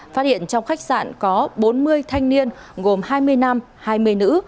phát hiện trong khách sạn có bốn mươi thanh niên gồm hai mươi nam hai mươi nữ